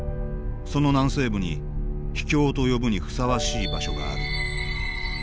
その南西部に秘境と呼ぶにふさわしい場所がある。